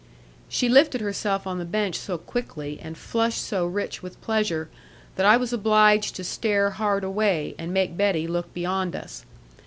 She lifted herself on the bench so quickly, and flushed so rich with pleasure, that I was obliged to stare hard away, and make Betty look beyond us.